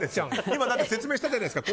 今、説明したじゃないですか。